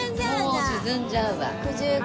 もう沈んじゃうわ。